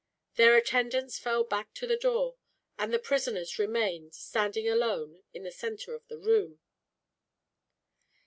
Their attendants fell back to the door, and the prisoners remained, standing alone, in the center of the room.